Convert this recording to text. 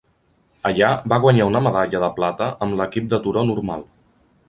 Allà, va guanyar una medalla de plata amb l'equip de turó normal.